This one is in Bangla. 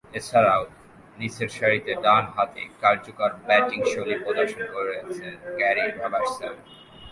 এছাড়াও, নিচেরসারিতে ডানহাতে কার্যকর ব্যাটিংশৈলী প্রদর্শন করেছেন গ্যারি রবার্টসন।